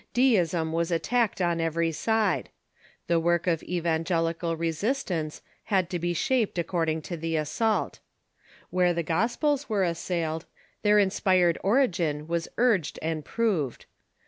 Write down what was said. Deism was attacked on every side. The work of evangelical resist ance had to be sliaped according to the assault. Where the Gospels were assailed, their inspired origin was urged and proved.